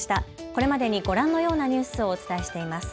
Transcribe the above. これまでにご覧のようなニュースをお伝えしています。